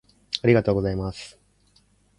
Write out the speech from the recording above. ありがとうございます